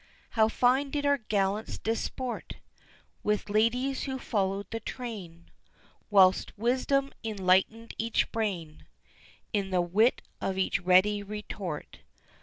How fine did our gallants disport With ladies who followed the train, Whilst wisdom enlightened each brain In the wit of each ready retort.